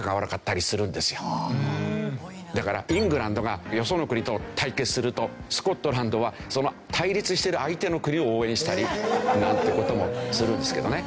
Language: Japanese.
だからイングランドがよその国と対決するとスコットランドはその対立してる相手の国を応援したりなんて事もするんですけどね。